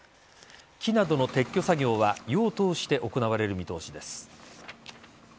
木などの撤去作業は夜を通して行われる見通しです。